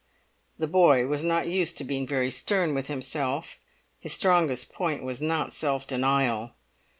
The boy was not used to being very stern with himself; his strongest point was not self denial.